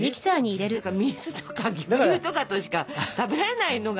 水とか牛乳とかとしか食べられないのが。